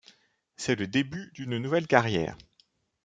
C'est le début d'une nouvelle carrière.